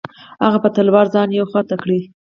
هغه په تلوار ځان یوې خوا ته کړ.